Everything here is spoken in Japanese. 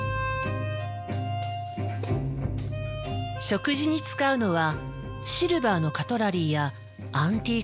食事に使うのはシルバーのカトラリーやアンティークのグラス。